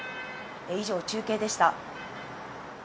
以上、中継でした。